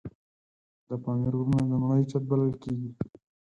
د پامیر غرونه د نړۍ چت بلل کېږي.